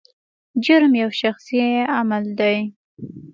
جرم یو شخصي عمل دی.